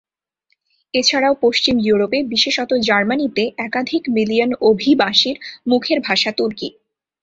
এছাড়াও পশ্চিম ইউরোপে, বিশেষত জার্মানিতে একাধিক মিলিয়ন অভিবাসীর মুখের ভাষা তুর্কি।